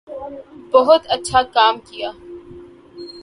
بہت اچھا کام کیا